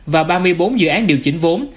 và ba mươi bốn dự án điều chỉnh vốn